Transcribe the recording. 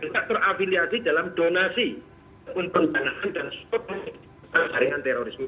kita bertaftur afiliasi dalam donasi untuk pendanaan dan struktur jaringan terorisme